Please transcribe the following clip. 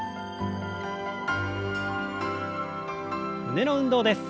胸の運動です。